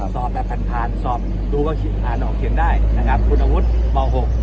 สอบแบบผ่านสอบดูก็อ่านออกเขียนได้คุณอาวุธม๖